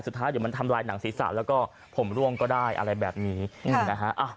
สุดท้ายเดี๋ยวมันทำลายหนังศีรษะแล้วก็ผมร่วงก็ได้อะไรแบบนี้นะฮะ